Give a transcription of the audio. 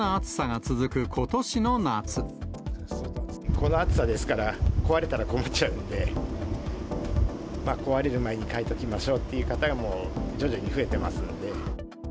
この暑さですから、壊れたら困っちゃうんで、壊れる前に替えておきましょうという方が、もう徐々に増えてます